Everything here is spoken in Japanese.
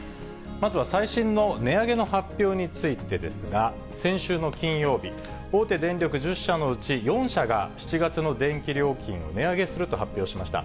まずは最新の値上げの発表についてですが、先週の金曜日、大手電力１０社のうち、４社が７月の電気料金を値上げすると発表しました。